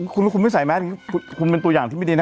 คุณไม่ใส่แมสคุณเป็นตัวอย่างที่ไม่ดีนะ